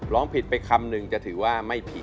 ร้องผิดไปคำนึงจะถือว่าไม่ผิด